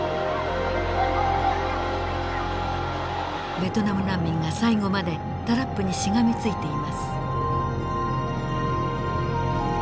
ベトナム難民が最後までタラップにしがみついています。